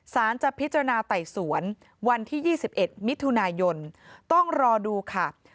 สารจะพิจารณาไต่สวนวันที่๒๑มิถุนายนต้องรอดูค่ะ